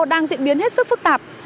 đang diễn biến hết sức phức tạp